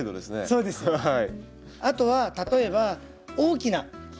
そうですねはい。